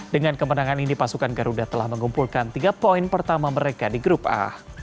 dengan kemenangan ini pasukan garuda telah mengumpulkan tiga poin pertama mereka di grup a